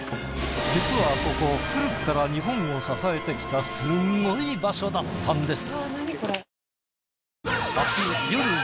実はここ古くから日本を支えてきたすごい場所だったんです。